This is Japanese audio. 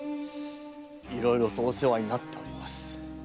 いろいろとお世話になっております。